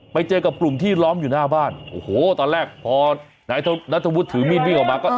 ไปเจอกับกลุ่มที่ล้อมอยู่หน้าบ้านโอ้โหตอนแรกพอนายนัทธวุฒิถือมีดวิ่งออกมาก็